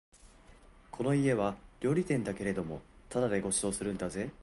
この家は料理店だけれどもただでご馳走するんだぜ